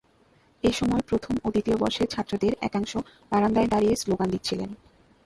এ সময় প্রথম ও দ্বিতীয় বর্ষের ছাত্রদের একাংশ বারান্দায় দাঁড়িয়ে স্লোগান দিচ্ছিলেন।